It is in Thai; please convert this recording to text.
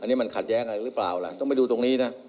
อันนี้มันขัดแย้งอะไรหรือเปล่าล่ะต้องไปดูตรงนี้นะ